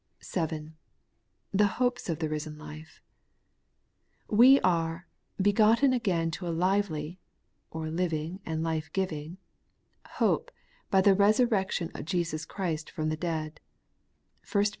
7. The hopes of the risen life. We are ' begotten again to a lively (or living and life giving) hope by the resurrection of Jesus Christ from the dead ' (1 Pet.